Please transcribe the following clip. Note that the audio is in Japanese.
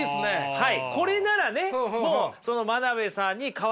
はい。